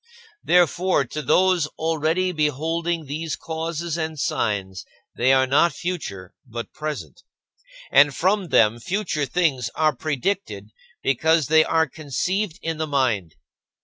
Therefore, to those already beholding these causes and signs, they are not future, but present, and from them future things are predicted because they are conceived in the mind.